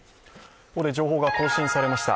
ここで情報が更新されました。